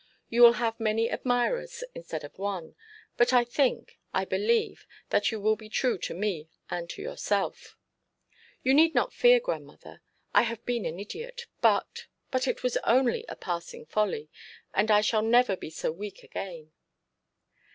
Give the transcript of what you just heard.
You will have many admirers instead of one; but I think, I believe, that you will be true to me and to yourself.' 'You need not fear, grandmother. I have been an idiot; but but it was only a passing folly, and I shall never be so weak again.'